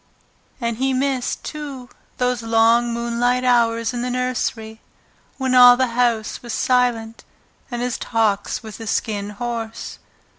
And he missed, too, those long moonlight hours in the nursery, when all the house was silent, and his talks with the Skin Horse.